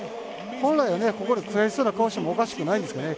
本来は、ここで悔しそうな顔してもおかしくないんですよね。